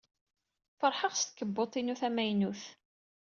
Feṛḥeɣ s tkebbuḍt-inu tamaynut.